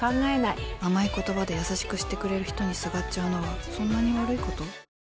甘い言葉で優しくしてくれる人にすがっちゃうのはそんなに悪いこと？